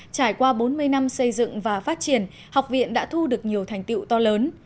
trải qua bốn mươi năm xây dựng và phát triển học viện đã thu được nhiều thành tiệu to lớn